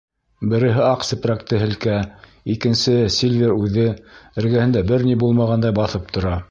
Береһе аҡ сепрәкте һелкә, икенсеһе, Сильвер үҙе, эргәһендә бер ни булмағандай баҫып тора.